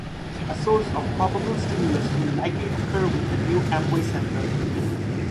A source of probable stimulus will likely occur with the new Amway Center.